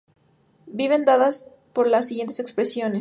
Vienen dadas por las siguientes expresiones.